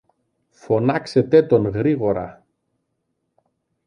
Φωνάξετε τον γρήγορα.